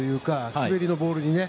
滑りのボールにね。